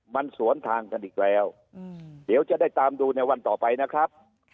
มันสวนทางกันอีกแล้วเดี๋ยวจะได้ตามดูในวันต่อไปนะครับ